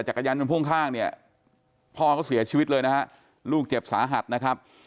จักรยานยนต์พ่วงข้างเนี่ยพ่อเขาเสียชีวิตเลยนะฮะลูกเจ็บสาหัสนะครับ